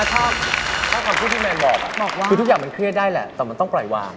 ถ้าคำพูดที่แมนบอกว่าคือทุกอย่างมันเครียดได้แหละแต่มันต้องปล่อยวาง